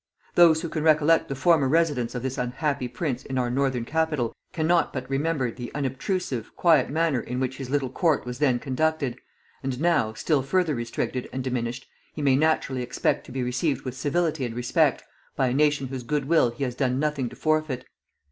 Those who can recollect the former residence of this unhappy prince in our Northern capital cannot but remember the unobtrusive, quiet manner in which his little court was then conducted, and now, still further restricted and diminished, he may naturally expect to be received with civility and respect by a nation whose good will he has done nothing to forfeit.